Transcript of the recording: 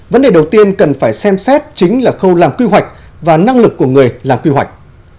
vấn đề đầu tiên cần phải xem xét chính là khâu làm quy hoạch và năng lực của người làm quy hoạch